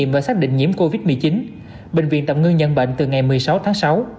và xác định nhiễm covid một mươi chín bệnh viện tậm ngưng nhân bệnh từ ngày một mươi sáu tháng sáu